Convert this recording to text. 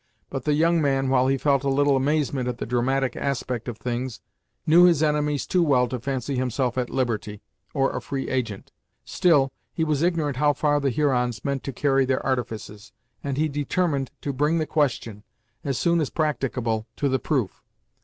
But the young man, while he felt a little amazement at the dramatic aspect of things, knew his enemies too well to fancy himself at liberty, or a free agent. Still, he was ignorant how far the Hurons meant to carry their artifices, and he determined to bring the question, as soon as practicable, to the proof.